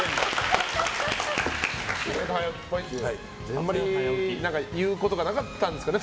あんまり言うことがなかったんですかね